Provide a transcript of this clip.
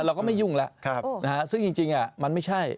เราก็ไม่ยุ่งแล้วซึ่งจริงมันไม่ใช่